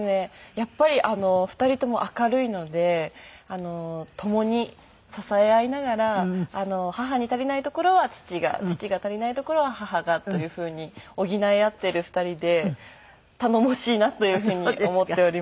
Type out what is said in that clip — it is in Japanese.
やっぱり２人とも明るいので共に支え合いながら母に足りないところは父が父が足りないところは母がというふうに補い合っている２人で頼もしいなというふうに思っております。